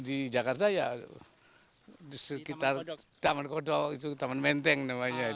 di jakarta ya di sekitar taman kodok itu taman menteng namanya